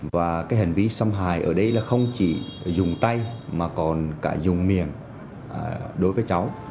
và cái hành vi xâm hại ở đây là không chỉ dùng tay mà còn cả dùng miệng đối với cháu